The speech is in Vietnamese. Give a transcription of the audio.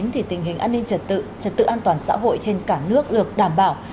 thì tình hình an ninh trật tự trật tự an toàn xã hội trên cả nước được đảm bảo